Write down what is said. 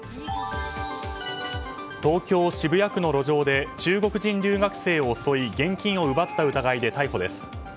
東京・渋谷区の路上で中国人留学生を襲い現金を奪った疑いで逮捕です。